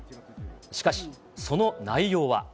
しかし、その内容は。